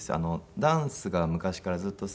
ダンスが昔からずっと好きで。